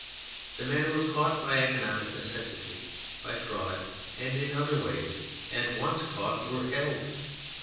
The men were caught by economic necessity, by fraud, and in other ways, and once caught were held.